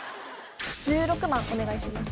１６番お願いします